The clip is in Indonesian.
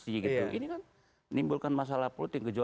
ini kan menimbulkan masalah politik